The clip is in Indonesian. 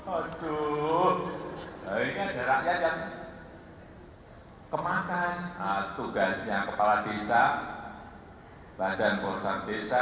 aduh ini ada rakyat yang kemakan tugasnya kepala desa badan urusan desa